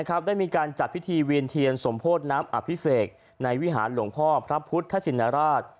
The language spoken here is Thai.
ได้มีการจัดพิธีเวียนเทียนสมโพธิน้ำอภิเษกในวิหารหลวงพ่อพระพุทธชินราช